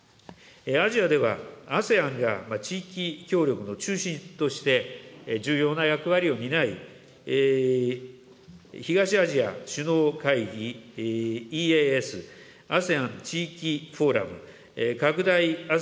アジアでは、ＡＳＥＡＮが地域協力の中心として、重要な役割を担い、東アジア首脳会議・ＥＡＳ、ＡＳＥＡＮ地域フォーラム、拡大